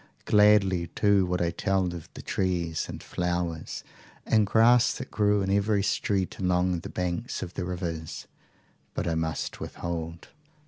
Gladly too would I tell of the trees and flowers and grass that grew in every street along the banks of the rivers. But I must withhold.